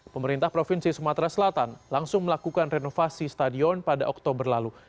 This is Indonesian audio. pemerintah provinsi sumatera selatan langsung melakukan renovasi stadion pada oktober lalu